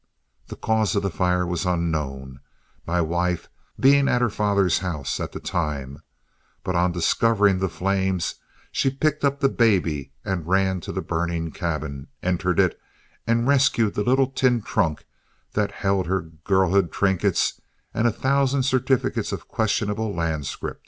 The cause of the fire was unknown, my wife being at her father's house at the time; but on discovering the flames, she picked up the baby and ran to the burning cabin, entered it and rescued the little tin trunk that held her girlhood trinkets and a thousand certificates of questionable land scrip.